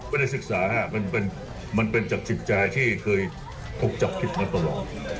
ศึกษามันเป็นจากจิตใจที่เคยถูกจับผิดมาตลอด